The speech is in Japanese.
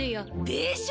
でしょ！？